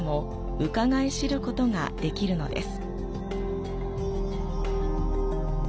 うかがい知ることが出来るのです。